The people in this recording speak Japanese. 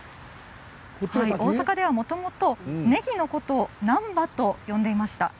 大阪ではもともとねぎのことを難波と呼んでいました。